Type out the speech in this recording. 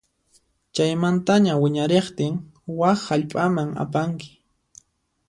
Chaymantaña wiñariqtin wak hallp'aman apanki.